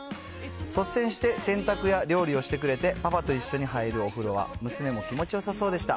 率先して洗濯や料理をしてくれて、パパと一緒に入るお風呂は娘も気持ちよさそうでした。